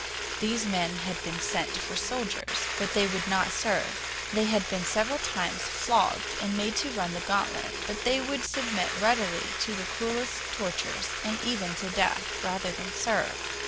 These men had been sent for soldiers, but they would not serve; they had been several times flogged and made to run the gauntlet, but they would submit readily to the cruelest tortures, and even to death, rather than serve.